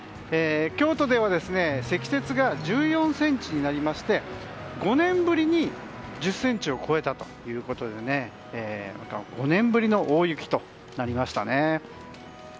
京都では積雪が１４ｃｍになりまして５年ぶりに１０ｃｍを超えたということで５年ぶりの大雪となりましたね。